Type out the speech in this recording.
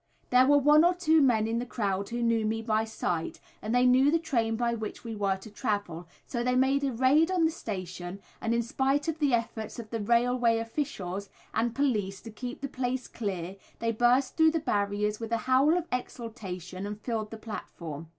There were one or two men in the crowd who knew me by sight, and they knew the train by which we were to travel, so they made a raid on the station, and in spite of the efforts of the railway officials and police to keep the place clear they burst through the barriers with a howl of exultation and filled the platform.